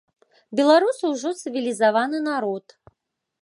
Беларусы ўжо цывілізаваны народ.